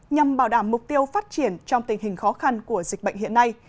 nhằm bảo đảm mục tiêu phát triển trong tình hình khó khăn của dịch bệnh hiện nay